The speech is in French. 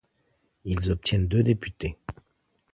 Ils obtiennent deux députés.